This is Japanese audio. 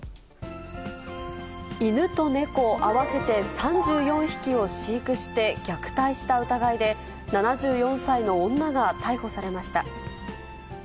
犬と猫合わせて３４匹を飼育して虐待した疑いで、７４歳の女が逮捕されました。